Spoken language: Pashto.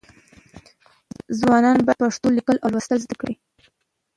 ځوانان باید پښتو لیکل او لوستل زده کړي.